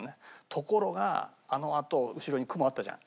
ところがあのあと後ろに雲あったじゃん。